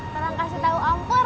terang kasih tau ampur